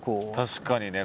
確かにね